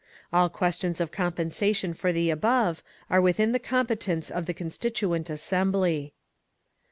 All questions of compensation for the above are within the competence of the Constituent Assembly.